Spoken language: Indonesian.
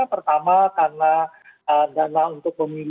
pertama karena dana untuk pemilu